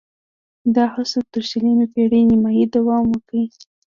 دا هڅو تر شلمې پېړۍ نیمايي دوام وکړ